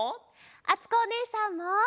あつこおねえさんも！